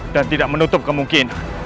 dan tidak menutup kemungkinan